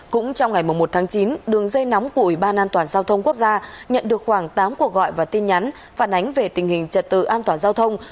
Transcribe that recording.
cũng trong ngày một tháng chín đường dây nóng của ủy ban an toàn giao thông quốc gia nhận được khoảng tám cuộc gọi và tin nhắn phản ánh về tình hình trật tự an toàn giao thông